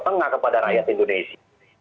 tengah kepada rakyat indonesia